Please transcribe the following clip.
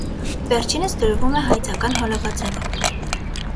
Վերջինս դրվում է հայցական հոլովաձևով։